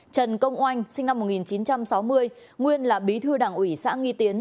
trần công oanh sinh năm một nghìn chín trăm sáu mươi nguyên là bí thư đảng ủy xã nghi tiến